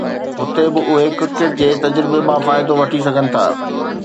هتي به اهي ڪرڪيٽ جي تجربي مان فائدو وٺي سگهن ٿا.